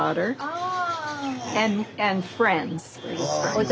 ああ。